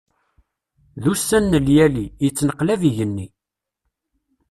D ussan n lyali, yettneqlab yigenni.